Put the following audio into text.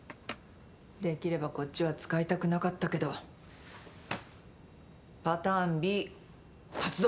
できればこっちは使いたくなかったけどパターンＢ発動。